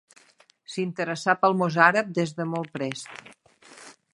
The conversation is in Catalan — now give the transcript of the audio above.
S'interessà pels mossàrabs des de molt prest.